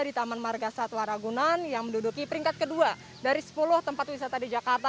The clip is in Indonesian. di taman marga satwa ragunan yang menduduki peringkat kedua dari sepuluh tempat wisata di jakarta